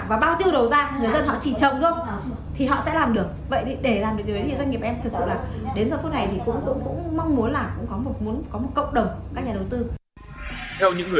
và bao tiêu đầu ra người dân họ chỉ trồng đúng không